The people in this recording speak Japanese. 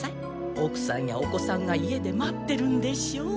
おくさんやお子さんが家で待ってるんでしょう？